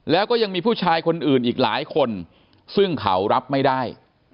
แล้วก็ยังมีผู้ชายคนอื่นอีกหลายคนซึ่งเขารับไม่ได้